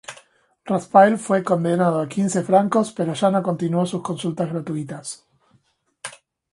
Raspail fue condenado a quince francos pero ya no continuó sus consultas gratuitas.